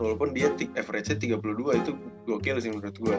walaupun dia average nya tiga puluh dua itu gocal sih menurut gue